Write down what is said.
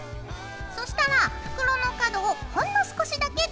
そしたら袋の角をほんの少しだけカット。